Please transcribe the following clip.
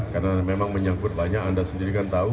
karena memang menyangkut banyak anda sendiri kan tahu